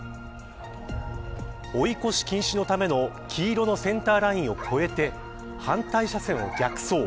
追い越し禁止のための黄色のセンターラインを越えて反対車線を逆走。